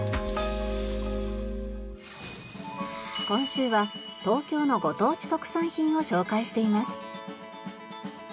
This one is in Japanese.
今週は東京のご当地特産品を紹介しています。